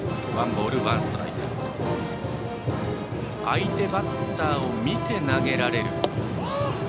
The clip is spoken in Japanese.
相手バッターを見て投げられる。